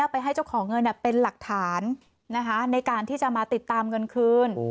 ไปให้เจ้าของเงินเป็นหลักฐานในการที่จะมาติดตามเงินคืน